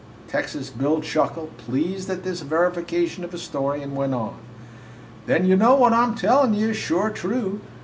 Texas Bill chuckled, pleased at this verification of his story, and went on: "Then you know what I 'm tellin' you is sure true!